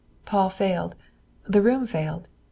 Paul failed. The room failed.